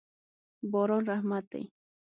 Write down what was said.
باران رحمت دی.